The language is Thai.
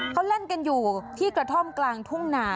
เขาเล่นกันอยู่ที่กระท่อมกลางทุ่งนา